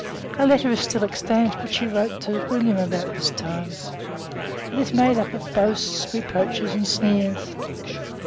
A letter is still extant which he wrote to William about this time. It is made up of boasts, reproaches and sneers.